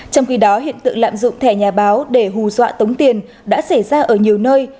trong khi đó hiện tượng lạm dụng thẻ nhà báo để hù dọa tống tiền đã xảy ra ở nhiều nơi